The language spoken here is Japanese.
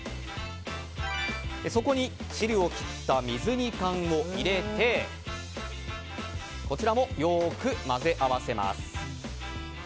そこに汁を切った水煮缶を入れてこちらも、よく混ぜ合わせます。